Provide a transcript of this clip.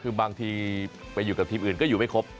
คือบางทีไปอยู่กับทีมอื่นก็อยู่ไม่ครบ